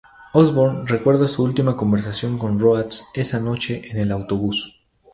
Osbourne recuerda su última conversación con Rhoads esa noche en el autobús.